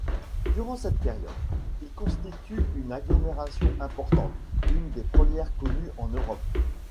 Durant cette période, il constitue une agglomération importante, une des premières connues en Europe.